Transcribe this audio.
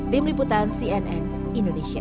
tim liputan cnn indonesia